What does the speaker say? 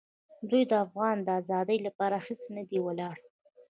دوی د افغان د آزادۍ لپاره هېڅ نه دي ولاړ.